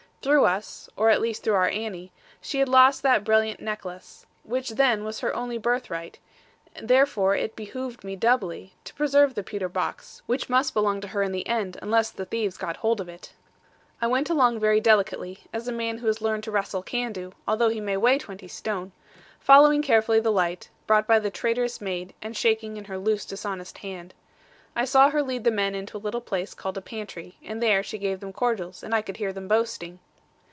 Through us (or at least through our Annie) she had lost that brilliant necklace; which then was her only birthright: therefore it behoved me doubly, to preserve the pewter box; which must belong to her in the end, unless the thieves got hold of it. I went along very delicately (as a man who has learned to wrestle can do, although he may weigh twenty stone), following carefully the light, brought by the traitorous maid, and shaking in her loose dishonest hand. I saw her lead the men into a little place called a pantry; and there she gave them cordials, and I could hear them boasting.